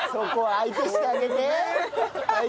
相手してあげてよ。